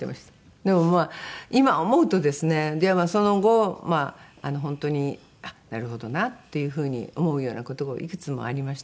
でもまあ今思うとですねその後本当にあっなるほどなっていう風に思うような事がいくつもありました。